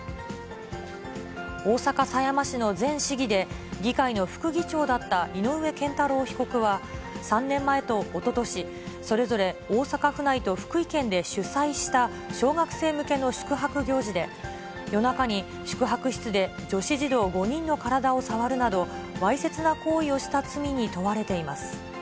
大阪狭山市の前市議で、議会の副議長だった井上健太郎被告は３年前とおととし、それぞれ大阪府内と福井県で主催した小学生向けの宿泊行事で、夜中に宿泊室で女子児童５人の体を触るなど、わいせつな行為をした罪に問われています。